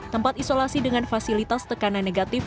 tempat isolasi dengan fasilitas tekanan negatif